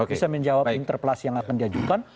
bisa menjawab interpelasi yang akan diajukan